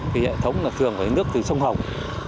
hệ thống thường phải nước từ sông hồng